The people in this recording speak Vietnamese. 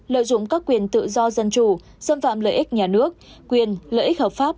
lợi dụng các quyền tự do dân chủ xâm phạm lợi ích nhà nước quyền lợi ích hợp pháp